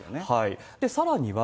さらには、